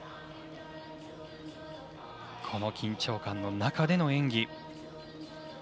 この緊張感の中での演技。